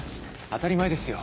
当たり前ですよ。